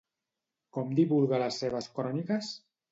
Com divulga les seves cròniques?